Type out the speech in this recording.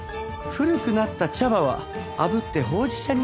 古くなった茶葉は炙ってほうじ茶になる。